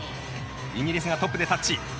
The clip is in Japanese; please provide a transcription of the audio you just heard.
イギリスがトップでタッチ。